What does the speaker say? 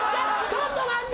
ちょっと待って。